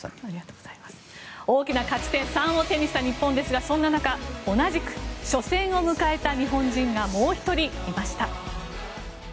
大きな勝ち点３を手にした日本ですがそんな中同じく初戦を迎えた日本人がもう１人いました。